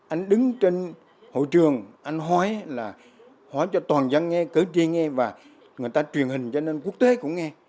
anh đứng trên hội trường anh hỏi là hỏi cho toàn dân nghe cử tri nghe và người ta truyền hình cho nên quốc tế cũng nghe